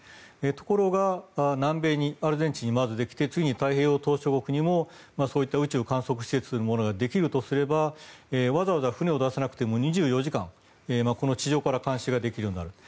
ところが、南米にアルゼンチンにまずできて次に太平洋島しょ国にも宇宙観測施設ができるとすればわざわざ船を出さなくても２４時間、地上から監視ができるようになる。